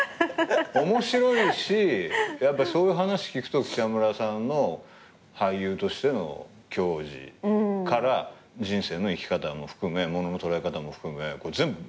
面白いしやっぱそういう話聞くと北村さんの俳優としての矜持から人生の生き方も含めものの捉え方も含め全部入ってるんで。